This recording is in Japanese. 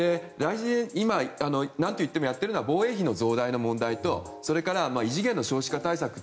今何といってもやっているのは防衛費の増大の問題とそれから異次元の少子化対策